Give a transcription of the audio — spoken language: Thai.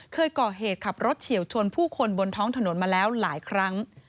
เคยก่อเหตุขับรถเฉียวชนผู้คนบนท้องถนนมาแล้วหลายครั้ง